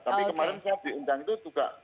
tapi kemarin saya diundang itu juga